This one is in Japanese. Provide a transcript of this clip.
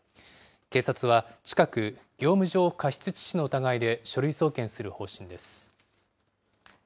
警察は近く、業務上過失致死の疑いで書類送検する方針です。